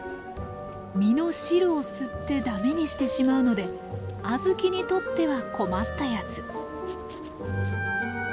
実の汁を吸ってダメにしてしまうのでアズキにとっては困ったやつ。